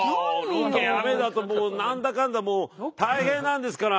ロケ雨だともう何だかんだもう大変なんですから。